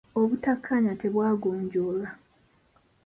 Obuttakaanya tebwagonjoolwa.